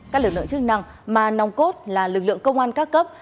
các lực lượng chức năng mà nòng cốt là lực lượng công an các cấp